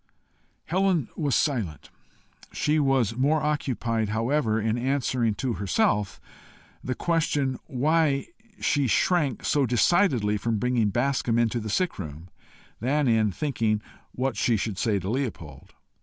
Helen was silent. She was more occupied however in answering to herself the question why she shrank so decidedly from bringing Bascombe into the sick room, than in thinking what she should say to Leopold.